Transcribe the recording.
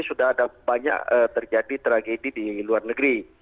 sudah ada banyak terjadi tragedi di luar negeri